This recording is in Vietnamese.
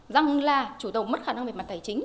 rằng là chủ tàu mất khả năng về mặt tài chính